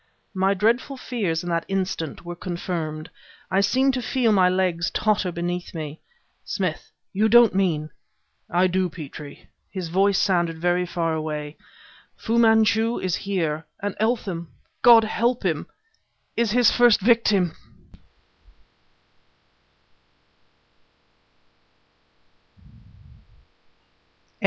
My dreadful fears in that instant were confirmed. I seemed to feel my legs totter beneath me. "Smith, you don't mean " "I do, Petrie!" His voice sounded very far away. "Fu Manchu is here; and Eltham, God help him... is his first victim!"